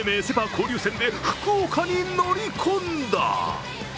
交流戦で福岡に乗り込んだ。